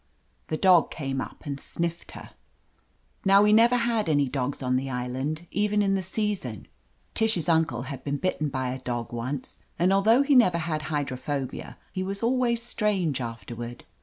The dog came up and sniffed at her. Now we never had any dogs on the island, even in the season. Tish's uncle had been bit ten by a dog once, and although he never had hydrophobia, he was always strange afterward.